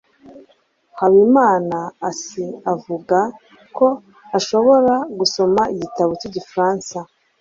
habimanaasi avuga ko ashobora gusoma igitabo cy'igifaransa